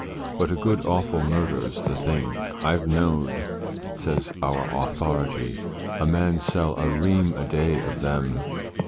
But a good, awful murder's the thing. I've knowed,' says our authority, 'a man sell a ream a day of them.